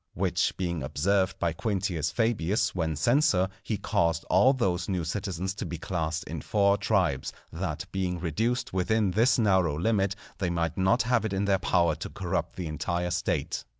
Which being observed by Quintius Fabius when censor, he caused all those new citizens to be classed in four Tribes, that being reduced within this narrow limit they might not have it in their power to corrupt the entire State.